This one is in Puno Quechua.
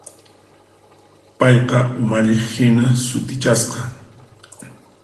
Payqa umalliqhina sutichasqa.